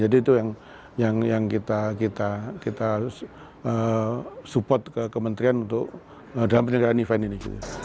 jadi itu yang kita support ke kementerian dalam penyelidikan event ini